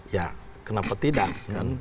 ya kenapa tidak kan